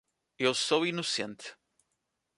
Eu sou inocente.